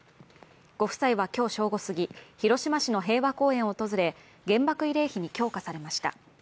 ご夫妻は今日正午すぎ、広島市の平和公園を訪れ、原爆慰霊碑に供花されました。